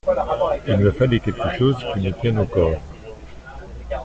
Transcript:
Il me fallait quelque chose qui me tienne au corps.